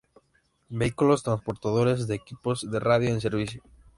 Vehículos transportadores de Equipos de Radio en servicio